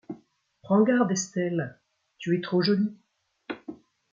Prends garde, Estelle, tu es trop jolie !